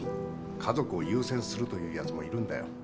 家族を優先するというヤツもいるんだよ。